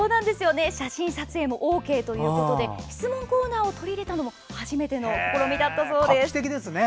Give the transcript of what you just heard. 写真撮影もＯＫということで質問コーナーを取り入れたのも初めてのことだったそうです。